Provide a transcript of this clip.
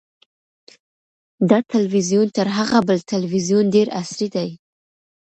دا تلویزیون تر هغه بل تلویزیون ډېر عصري دی.